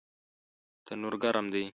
تنور ګرم دی